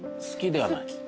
好きではない？